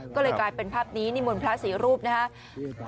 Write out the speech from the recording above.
ก็เลยกลายเป็นภาพนี้นิมนต์พระสี่รูปนะครับ